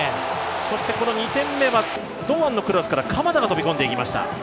そしてこの２点目は堂安のクロスから鎌田が飛び込んでいきました。